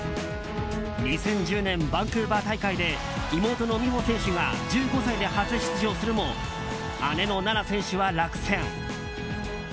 ２０１０年、バンクーバー大会で妹の美帆選手が１５歳で初出場するも姉の菜那選手は落選。